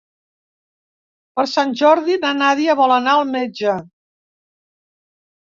Per Sant Jordi na Nàdia vol anar al metge.